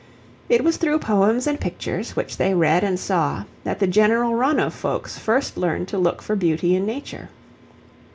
It was through poems and pictures, which they read and saw, that the general run of folks first learned to look for beauty in nature.